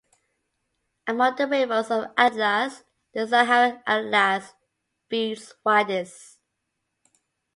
Among the rivers of the Atlas, the Saharan Atlas feeds wadis.